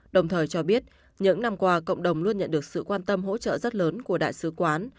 đồng thời cho biết những năm qua cộng đồng luôn nhận được sự quan tâm hỗ trợ rất lớn của đại sứ quán